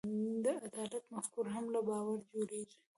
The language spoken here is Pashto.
د عدالت مفکوره هم له باور جوړېږي.